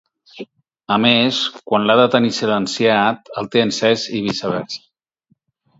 A més, quan l'ha de tenir silenciat el té encès i viceversa.